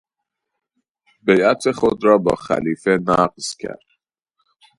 بیعت خود را با خلیفه نقض کرد.